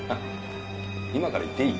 今から行っていい？